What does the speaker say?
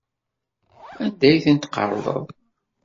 Anda ay tent-tqerḍeḍ?